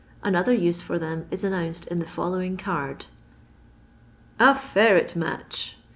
Another use for them is an nounced in the following card :— A FERRET MATCH.